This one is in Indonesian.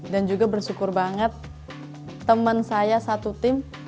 dan juga bersyukur banget temen saya satu tim